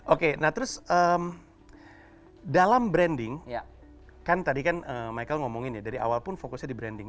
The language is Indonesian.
oke nah terus dalam branding kan tadi kan michael ngomongin ya dari awal pun fokusnya di branding